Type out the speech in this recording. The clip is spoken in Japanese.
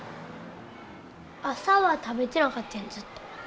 朝は食べてなかったんやずっと。